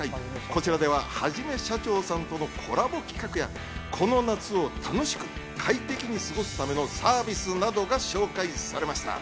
こちらでははじめしゃちょーさんとのコラボ企画や、この夏を楽しく快適に過ごすためのサービスなどが紹介されました。